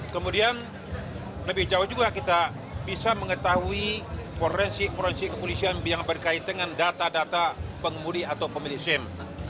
kemudian lebih jauh juga kita bisa mengetahui forensik forensik kepolisian yang berkait dengan data data pengemudi atau pemilik sim